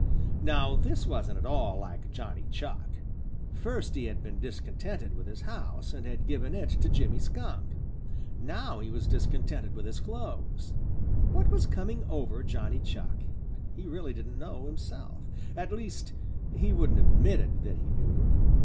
Now this wasn't at all like Johnny Chuck. First he had been discontented with his house and had given it to Jimmy Skunk. Now he was discontented with his clothes. What was coming over Johnny Chuck? He really didn't know himself. At least, he wouldn't have admitted that he knew.